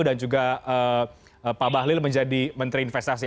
dan juga pak bahlil menjadi menteri investasi